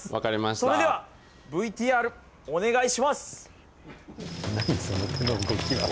それではＶＴＲお願いします。